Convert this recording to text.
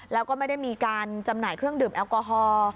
แล้วก็ไม่ได้มีการจำหน่ายเครื่องดื่มแอลกอฮอล์